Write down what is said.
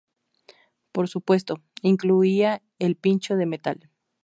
Por supuesto, incluía el pincho de metal.